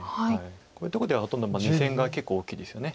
こういうとこではほとんど２線が結構大きいですよね。